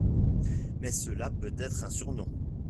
Mais cela peut être un surnom.